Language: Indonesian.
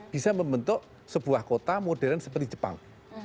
bisa membentuk sebuah kota modern seperti jepang